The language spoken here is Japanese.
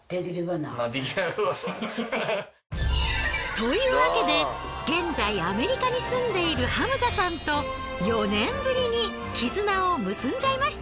というわけで現在アメリカに住んでいるハムザさんと４年ぶりに絆を結んじゃいました。